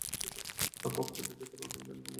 ভক্তদের ভেতরেও অনেকে ঐ রকমের আছে।